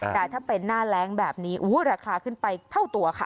แต่ถ้าเป็นหน้าแรงแบบนี้ราคาขึ้นไปเท่าตัวค่ะ